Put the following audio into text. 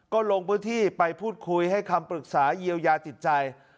ก็ลงพื้นที่ไปพูดคุยให้คำปรึกษาเยียวยาจิตใจ